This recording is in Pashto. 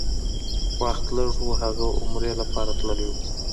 وخت لږ و، هغه عمرې لپاره تللی و.